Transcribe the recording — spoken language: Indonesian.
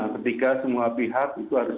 ketika semua pihak itu harus